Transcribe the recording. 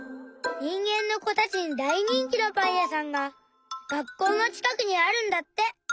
にんげんのこたちにだいにんきのパンやさんが学校のちかくにあるんだって。